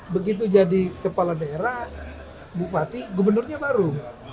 begitu jadi kepala daerah bupati gubernurnya baru